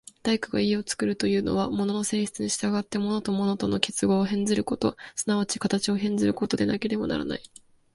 大工が家を造るというのは、物の性質に従って物と物との結合を変ずること、即ち形を変ずることでなければならない。